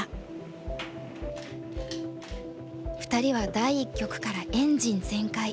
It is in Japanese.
２人は第一局からエンジン全開。